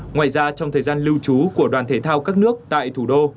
ngoài ra trong thời gian lưu trú của đoàn thể thao các nước tại thủ đô